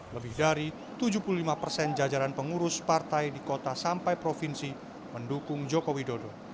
lebih dari tujuh puluh lima persen jajaran pengurus partai di kota sampai provinsi mendukung jokowi dodo